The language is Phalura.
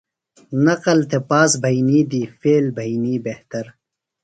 نقل تھےۡ پاس بھئینی دی فیل بھئینی بہتر۔